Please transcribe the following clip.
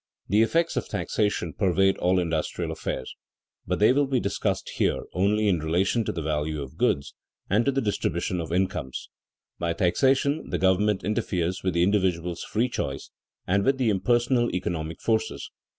The effects of taxation pervade all industrial affairs, but they will be discussed here only in relation to the value of goods and to the distribution of incomes. By taxation the government interferes with the individual's free choice and with the impersonal economic forces.